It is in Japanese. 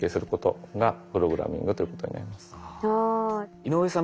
井上さん